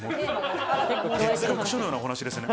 哲学書のようなお話ですね。